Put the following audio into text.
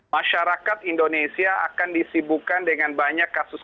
masyarakat indonesia akan disibukan dengan banyak kasus